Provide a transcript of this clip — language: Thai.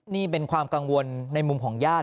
นี่เป็นความกังวลในมุมของญาติ